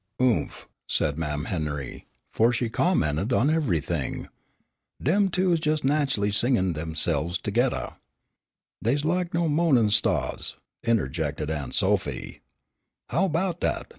"Oomph," said Mam' Henry, for she commented on everything, "dem too is jes' natchelly singin' demse'ves togeddah." "Dey's lak de mo'nin' stahs," interjected Aunt Sophy. "How 'bout dat?"